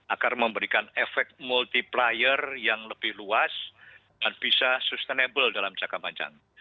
agar memberikan efek multiplier yang lebih luas dan bisa sustainable dalam jangka panjang